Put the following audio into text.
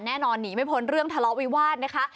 หนีไม่พ้นเรื่องทะเลาะวิวาสนะคะ